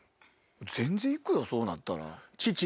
全然行くよそうなったら。